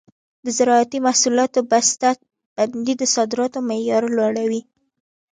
د زراعتي محصولاتو بسته بندي د صادراتو معیار لوړوي.